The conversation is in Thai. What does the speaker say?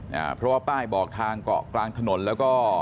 เนี่ยเพราะว่าป้ายบอกทางเกาะกลางถนนและสาวไฟฟ้าเนี่ย